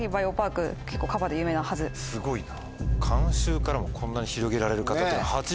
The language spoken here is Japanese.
すごいな。